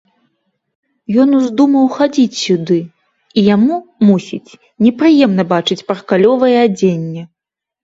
Ён уздумаў хадзіць сюды, і яму, мусіць, непрыемна бачыць паркалёвае адзенне.